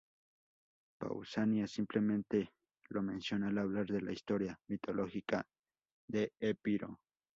Pausanias simplemente lo menciona al hablar de la historia mitológica de Epiro.